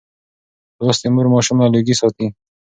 لوستې مور ماشوم له لوګي ساتي.